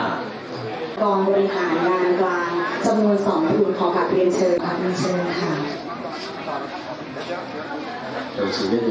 กองบริหารยานวาง